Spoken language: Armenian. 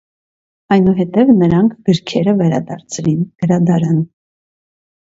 Այնուհետև նրանք գրքերը վերադարձրին գրադարան։